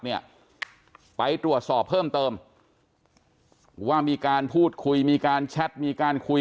เนี่ยไปตรวจสอบเพิ่มเติมว่ามีการพูดคุยมีการแชทมีการคุย